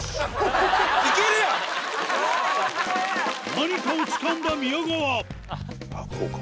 何かをつかんだ宮川こうか。